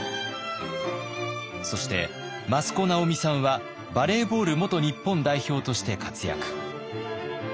そして益子直美さんはバレーボール元日本代表として活躍。